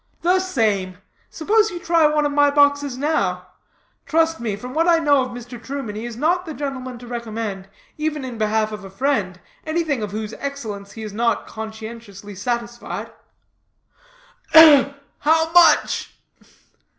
"The same. Suppose you try one of my boxes now. Trust me, from what I know of Mr. Truman, he is not the gentleman to recommend, even in behalf of a friend, anything of whose excellence he is not conscientiously satisfied." "Ugh! how much?"